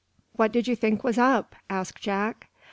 "What did you think was up?" asked Jack.